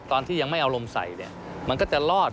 ตอนที่ยังไม่เอาลมใส่เนี่ยมันก็จะรอด